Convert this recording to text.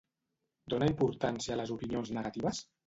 Dona importància a les opinions negatives?